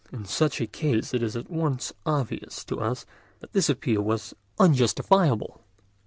In such a case it is at once obvious to us that this appeal was unjustifiable.